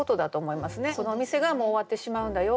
そのお店がもう終わってしまうんだよ。